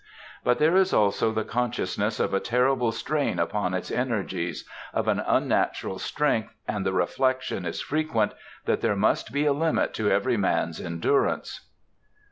But there is also the consciousness of a terrible strain upon its energies, of an unnatural strength, and the reflection is frequent that there must be a limit to every man's endurance.